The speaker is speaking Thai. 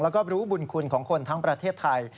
แล้วก็รู้บุญคุณของคนทั้งประเทศไทย